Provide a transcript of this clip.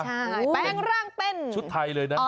ใช่แปลงร่างเป็นชุดไทยเลยนะ